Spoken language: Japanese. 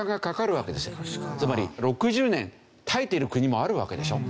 つまり６０年耐えている国もあるわけでしょ？